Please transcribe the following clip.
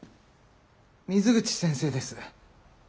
水口先生です。